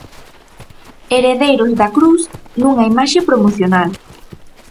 Heredeiros da Crus nunha imaxe promocional.